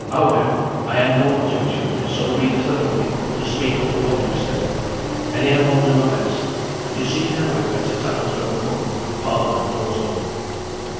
Howe'er, I han no objection, if so be there's an opening, to speak up for what yo say; anyhow, I'll do my best, and yo see now, if better times don't come after Parliament knows all."